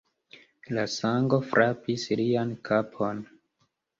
La sango frapis lian kapon.